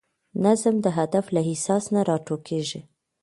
نظم د هدف له احساس نه راټوکېږي.